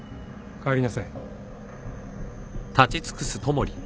帰りなさい。